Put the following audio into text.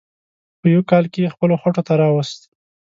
په یوه کال کې یې خپلو خوټو ته راوست.